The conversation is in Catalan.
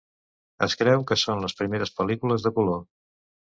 Es creu que són les primeres pel·lícules de color.